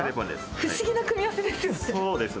不思議な組み合わせですね。